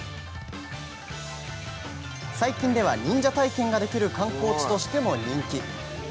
最近では、忍者体験ができる観光地としても人気。